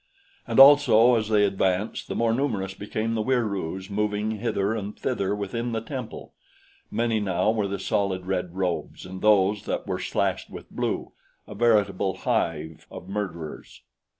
And also as they advanced the more numerous became the Wieroos moving hither and thither within the temple. Many now were the solid red robes and those that were slashed with blue a veritable hive of murderers.